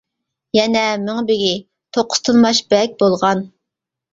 يەنە مىڭبېگى، توققۇز تىلماچ بەگ بولغان.